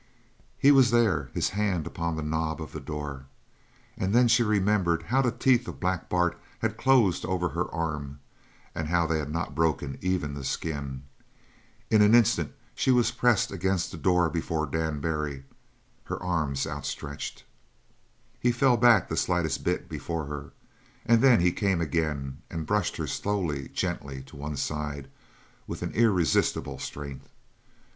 He was there his hand was upon the knob of the door. And then she remembered how the teeth of Black Bart had closed over her arm and how they had not broken even the skin. In an instant she was pressed against the door before Dan Barry her arms outstretched. He fell back the slightest bit before her, and then he came again and brushed her slowly, gently, to one side, with an irresistible strength.